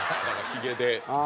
ひげで。